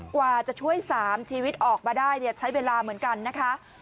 กว่าจะช่วย๓ชีวิตออกมาได้ใช้เวลาเหมือนกันนะคะ